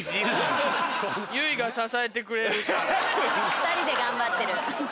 ２人で頑張ってる。